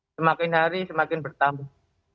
semakin hari semakin bertambah